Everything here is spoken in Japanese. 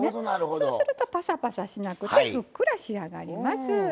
そうするとぱさぱさしなくてふっくら仕上がります。